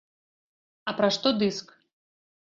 А пра што дыск?